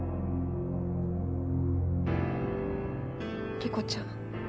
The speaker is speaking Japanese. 理子ちゃん